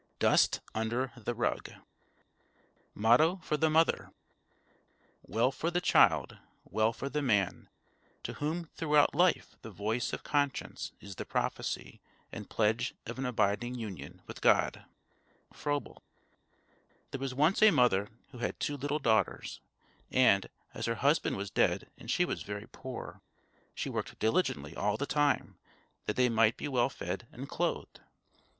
DUST UNDER THE RUG Motto for the Mother _Well for the child, well for the man, to whom throughout life the voice of conscience is the prophecy and pledge of an abiding union with God_! FROEBEL. There was once a mother, who had two little daughters; and, as her husband was dead and she was very poor, she worked diligently all the time that they might be well fed and clothed.